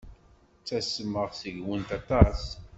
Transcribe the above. Ttasmeɣ seg-went aṭas.